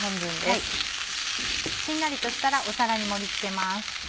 しんなりとしたら皿に盛り付けます。